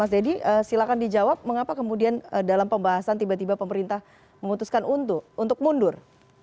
mas deddy silakan dijawab mengapa kemudian dalam pembahasan tiba tiba pemerintah memutuskan untuk mundur